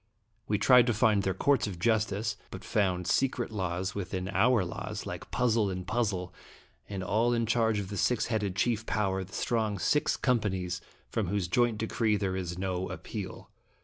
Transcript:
We tried to find their courts of justice, but found secret laws within our laws, like puzzle in puzzle, and all in charge of the six headed chief power, the strong Six Companies, from whose joint decree there is no appeal.